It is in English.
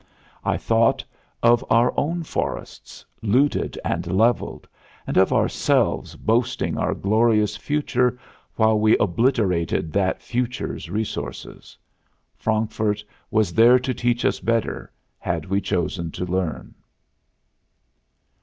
I thought of our own forests, looted and leveled, and of ourselves boasting our glorious future while we obliterated that future's resources. Frankfurt was there to teach us better, had we chosen to learn.